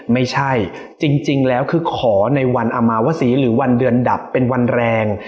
ไม่ใช่จริงแล้วคือขอในวันอามาวศรีหรือวันเดือนดับเป็นวันแรง